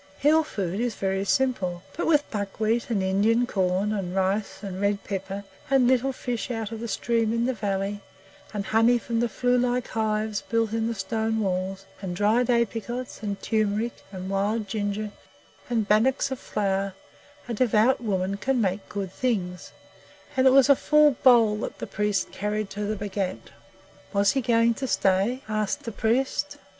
Hill food is very simple, but with buckwheat and Indian corn, and rice and red pepper, and little fish out of the stream in the valley, and honey from the flue like hives built in the stone walls, and dried apricots, and turmeric, and wild ginger, and bannocks of flour, a devout woman can make good things, and it was a full bowl that the priest carried to the Bhagat. Was he going to stay? asked the priest.